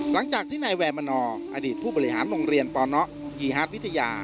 หลังจากที่นายแวร์มนอร์อดีตผู้บริหารโรงเรียนปนยีฮาร์ดวิทยา